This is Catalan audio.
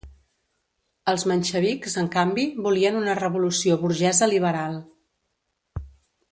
Els menxevics, en canvi, volien una revolució burgesa liberal.